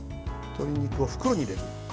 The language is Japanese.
鶏肉を袋に入れる。